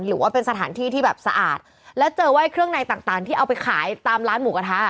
หรือว่าเป็นสถานที่ที่แบบสะอาดแล้วเจอว่าเครื่องในต่างต่างที่เอาไปขายตามร้านหมูกระทะ